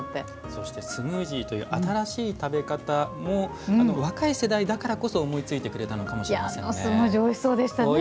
そして、スムージーという新しい食べ方も若い世代だからこそ思いついてくれたのかもしれませんよね。